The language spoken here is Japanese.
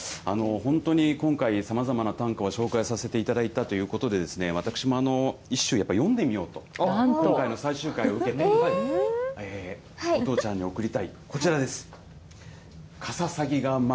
本当に今回、さまざまな短歌を紹介させていただいたということでですね、私も一首やっぱり詠んでみようと、今回の最終回を受けて、お父ちゃんに贈りたい、こちらです。